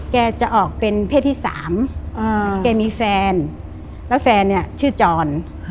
แกจะออกเป็นเพศที่๓แกมีแฟนแล้วแฟนเนี่ยชื่อจร